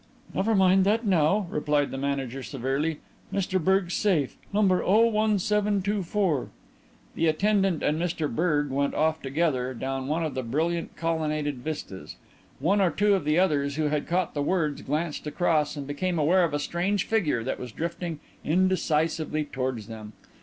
"Never mind that now," replied the manager severely. "Mr Berge's safe: No. 01724." The attendant and Mr Berge went off together down one of the brilliant colonnaded vistas. One or two of the others who had caught the words glanced across and became aware of a strange figure that was drifting indecisively towards them.